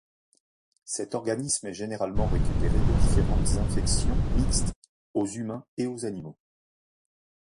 Cet organisme est généralement récupéré de différentes infections mixte aux humains et aux animaux.